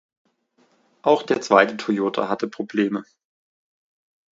Auch der zweite Toyota hatte Probleme.